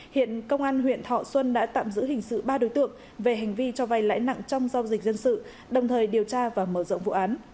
hiện công an huyện thọ xuân đã tạm giữ hình sự ba đối tượng về hành vi cho vay lãi nặng trong giao dịch dân sự đồng thời điều tra và mở rộng vụ án